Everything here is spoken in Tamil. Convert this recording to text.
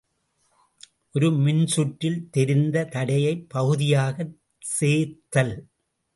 ஒரு மின்சுற்றில் தெரிந்த தடையைப் பகுதியாக சேர்த்தல்.